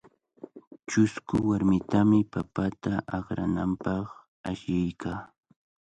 Chusku warmitami papata akrananpaq ashiykaa.